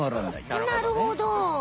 なるほど！